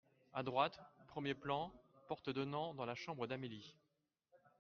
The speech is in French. A droite, premier plan, porte donnant dans la chambre d'Amélie.